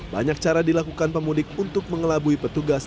banyak cara dilakukan pemudik untuk mengelabui petugas